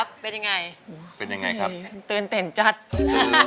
ผมก็กลัวตื่นเต้นซักมือ